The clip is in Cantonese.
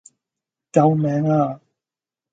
救命呀